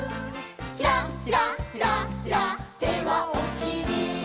「ひらひらひらひら」「手はおしり」